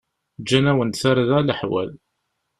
Ǧǧan-awen-d tarda leḥwal.